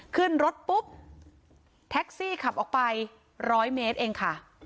ขึ้นรถปุ๊บแท็กซี่ขับออกไปร้อยเมตรเองค่ะ